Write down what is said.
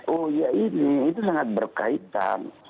oh ya ini itu sangat berkaitan